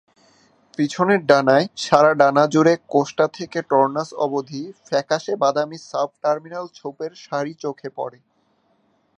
পিছনের ডানায়, সারা ডানা জুড়ে কোস্টা থেকে টর্নাস অবধি ফ্যাকাশে বাদামী সাব-টার্মিনাল ছোপের সারি চোখে পড়ে।